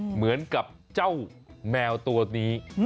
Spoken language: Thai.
เหมือนกับเจ้าแมวตัวนี้